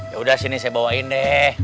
yaudah sini saya bawain deh